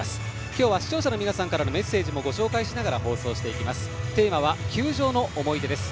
今日は視聴者の皆様からのメッセージもご紹介しながら放送していきます。